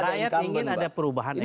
rakyat ingin ada perubahan elek